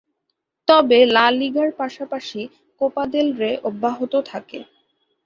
তবে লা লিগার পাশাপাশি কোপা দেল রে অব্যহত থাকে।